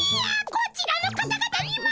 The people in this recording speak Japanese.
こちらの方々にも。